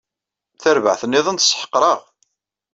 Tarbaɛt nniḍen tesseḥqer-aɣ.